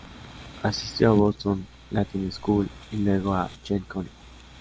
Asistió a Boston Latin School y luego a Yale College.